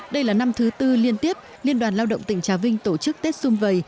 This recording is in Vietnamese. đây là năm thứ tư liên tiếp liên đoàn lao động tỉnh trà vinh tổ chức tết xung vầy